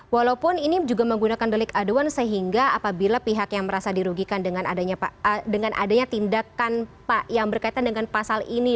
walaupun ini juga menggunakan delik aduan sehingga apabila pihak yang merasa dirugikan dengan adanya tindakan yang berkaitan dengan pasal ini